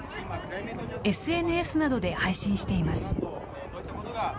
ＳＮＳなどで配信しています。